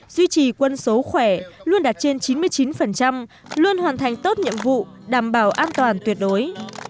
duy trì quân số khỏe luôn đạt trên chín mươi chín luôn hoàn thành tốt nhiệm vụ đảm bảo an toàn tuyệt đối